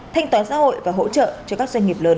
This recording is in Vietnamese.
thanh toán xã hội và hỗ trợ cho các doanh nghiệp lớn